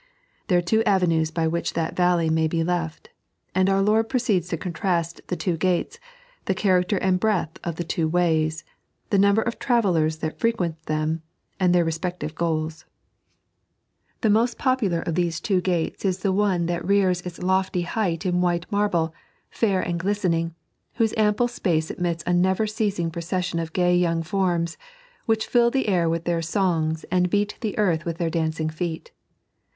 There are two av^iues by which that valley may be left ; and our Lord proceeds to contrast the two gates, the character and breadth of the two ways, the number of travellers that frequent them, and their respec tive goals. The most popular of these two gates is one that rears its 3.n.iized by Google 184 COCHTKBPBITS —" BeWABE !" lofty height in white marble, fair and glistemng, whose ample space admits a never ceasing proceesioa of ga,y young forms, which fill the air with their songs and beat the earth with their dancing feet.